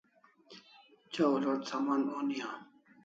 Chaw load Saman oni am